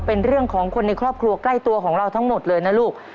เป็นเรื่องของคนในครอบครัวใกล้ตัวของเราทั้งหมดเลยนะลูก